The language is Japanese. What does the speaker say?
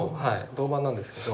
銅板なんですけど。